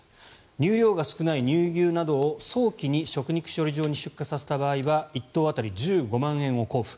乳量が少ない乳牛などを早期に食肉処理場に出荷させた場合は１頭当たり１５万円を交付。